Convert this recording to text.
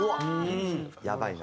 やばいな。